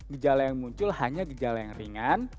gejala yang muncul hanya gejala yang ringan